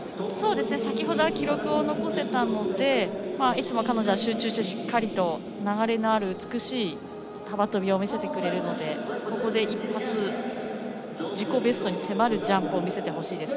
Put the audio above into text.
先ほどは記録を残せたのでいつも彼女は集中してしっかりと流れのある美しい幅跳びを見せてくれるのでここで一発、自己ベストに迫るジャンプを見せてほしいです。